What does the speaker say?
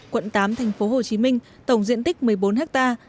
quận tám tp hcm tổng diện tích một mươi bốn hectare